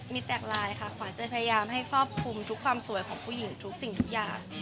มีแตกลายค่ะขวานจะพยายามให้ครอบคลุมทุกความสวยของผู้หญิงทุกสิ่งทุกอย่าง